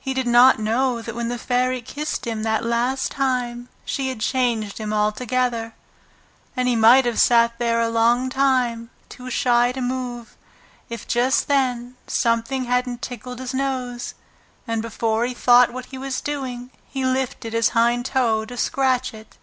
He did not know that when the Fairy kissed him that last time she had changed him altogether. And he might have sat there a long time, too shy to move, if just then something hadn't tickled his nose, and before he thought what he was doing he lifted his hind toe to scratch it.